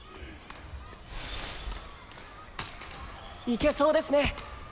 いけそうですね。